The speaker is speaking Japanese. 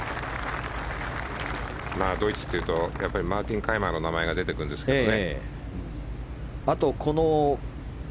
ドイツというとマルティン・カイマーの名前が出てくるんですけどね。